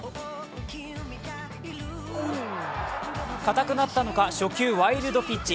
かたくなったのか初球ワイルドピッチ。